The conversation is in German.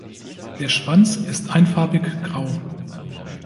Der Schwanz ist einfarbig grau.